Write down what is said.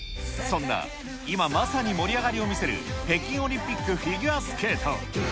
そんな今、まさに盛り上がりを見せる北京オリンピックフィギュアスケート。